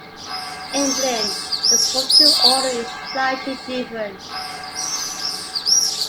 In Blin, the sorting order is slightly different.